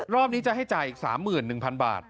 รอบนี้จะให้จ่ายอีก๓๑๐๐๐บาท